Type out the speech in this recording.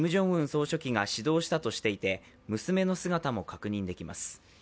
総書記が指導したとしていて、娘の姿も確認できます。